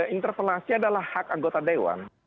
interpelasi adalah hak anggota dewan